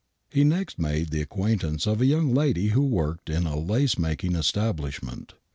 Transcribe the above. He next made the acquaintance of a young lacy who worked in a lace making establishment.